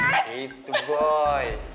ternyata itu boy